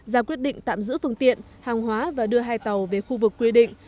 ra quyết định tạm giữ phương tiện hàng hóa và đưa hai tàu về khu vực quy định